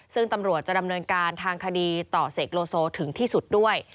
ซึ่งตำรวจจะดำเนินการทางคดีต่อเสกโลโซถึงที่สุดด้วย